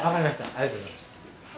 ありがとうございます。